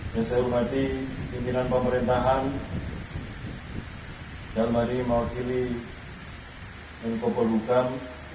yang saya hormati pimpinan pemerintahan dan mari mewakili yang keperlukan